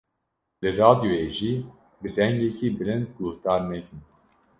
Li radyoyê jî bi dengekî bilind guhdar nekin.